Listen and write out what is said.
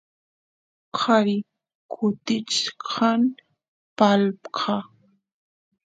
qari kutichkan palqa